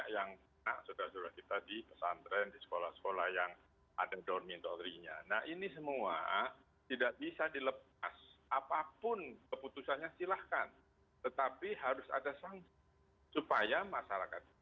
kita selalu berkoordinasi dengan pihak dprd